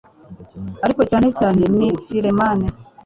ariko cyane cyane ni fireman